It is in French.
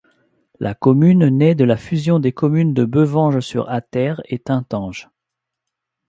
La commune naît le de la fusion des communes de Boevange-sur-Attert et Tuntange.